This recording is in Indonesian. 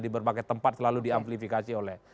di berbagai tempat selalu di amplifikasi oleh